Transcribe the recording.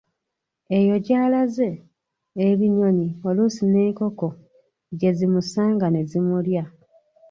Eyo gy'alaze, ebinnyonyi, oluusi n'enkoko gye zimusanga ne zimulya.